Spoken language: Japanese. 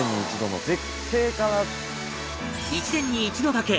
１年に一度だけ！